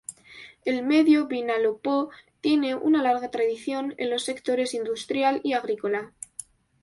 El Medio Vinalopó tiene una larga tradición en los sectores industrial y agrícola.